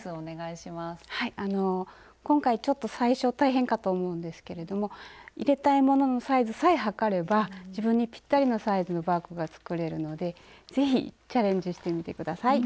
今回ちょっと最初大変かと思うんですけれども入れたいもののサイズさえ測れば自分にぴったりのサイズのバッグが作れるので是非チャレンジしてみて下さい。